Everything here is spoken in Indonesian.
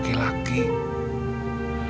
siapa yang mengancam